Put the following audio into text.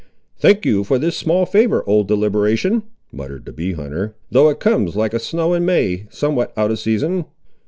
"Thank you for this small favour, old deliberation," muttered the bee hunter, "though it comes like a snow in May, somewhat out of season."